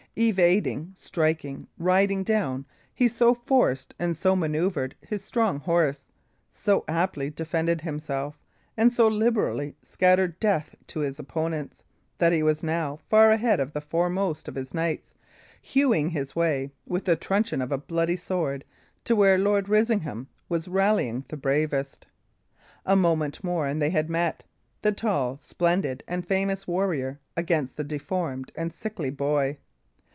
Evading, striking, riding down, he so forced and so manoeuvred his strong horse, so aptly defended himself, and so liberally scattered death to his opponents, that he was now far ahead of the foremost of his knights, hewing his way, with the truncheon of a bloody sword, to where Lord Risingham was rallying the bravest. A moment more and they had met; the tall, splendid, and famous warrior against the deformed and sickly boy.